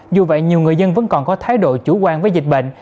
dù vậy nhiều người dân vẫn còn có thái độ chủ quan với dịch bệnh